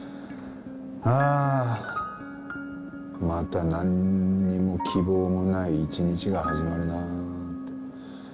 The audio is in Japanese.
ああまたなんにも希望もない一日が始まるなあって。